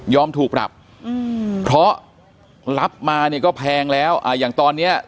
ถูกปรับอืมเพราะรับมาเนี่ยก็แพงแล้วอย่างตอนเนี้ย